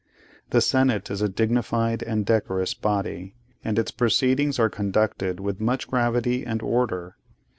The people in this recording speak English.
The Senate is a dignified and decorous body, and its proceedings are conducted with much gravity and order.